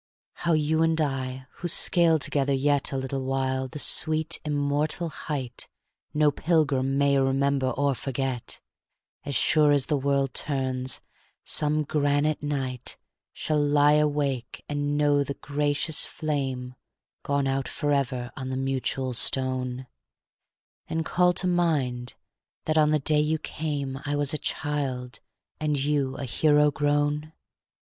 How you and I, who scale together yet A little while the sweet, immortal height No pilgrim may remember or forget, As sure as the world turns, some granite night Shall lie awake and know the gracious flame Gone out forever on the mutual stone; And call to mind that on the day you came I was a child, and you a hero grown?